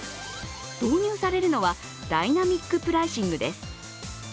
導入されるのはダイナミックプライシングです。